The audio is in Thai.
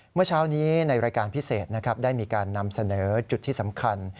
เมื่อเช้านี้ในรายการพิเศษนะครับได้มีการนำเสนอจุดที่สำคัญ